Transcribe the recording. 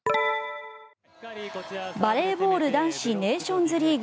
バレーボール男子ネーションズリーグ